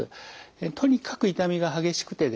とにかく痛みが激しくてですね